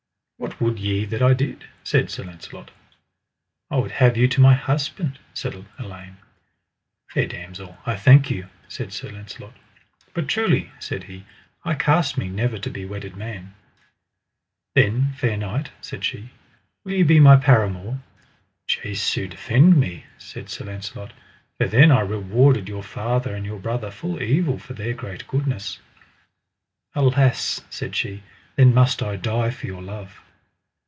What would ye that I did? said Sir Launcelot. I would have you to my husband, said Elaine. Fair damosel, I thank you, said Sir Launcelot, but truly, said he, I cast me never to be wedded man. Then, fair knight, said she, will ye be my paramour? Jesu defend me, said Sir Launcelot, for then I rewarded your father and your brother full evil for their great goodness. Alas, said she, then must I die for your love.